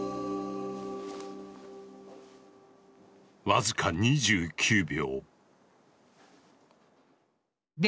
僅か２９秒。